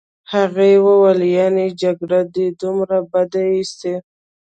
هغې وویل: یعني جګړه دي دومره بده ایسي.